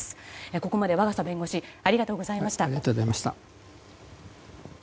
ここまで若狭弁護士ありがとうございました。